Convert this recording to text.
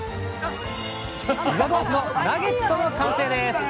岩豆腐のナゲットの完成です！